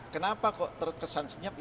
kenapa kok terkesan senyap